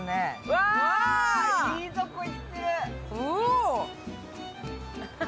わぁ、いいところいってる。